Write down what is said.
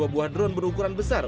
dua buah drone berukuran besar